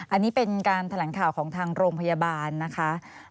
อันนี้เป็นการแถลงข่าวของทางโรงพยาบาลนะคะ